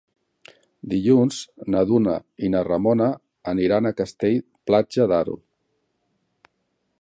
Dilluns na Duna i na Ramona aniran a Castell-Platja d'Aro.